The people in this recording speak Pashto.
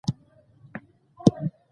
مهر يوازې د مېرمنې حق دی.